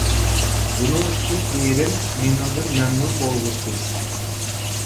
بۇنىڭ ئۈچۈن ئېرىم مېنىڭدىن مەمنۇن بولغۇسى.